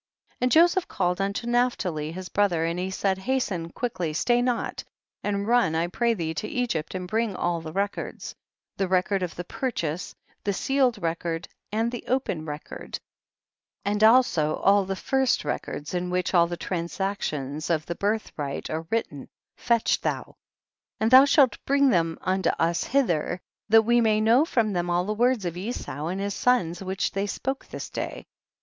57. And Joseph called unto Naph tali his brother, and he said, hasten quickly, stay not, and run I pray thee to Egypt and bring all the records ; the record of the purchase, the sealed record and the open record, and also all the first records in which all the transactions of the birth right are written, fetch thou. 58. And thou shalt bring them unto us hither, that we may know from them all the words of Esau and his sons which they spoke this day.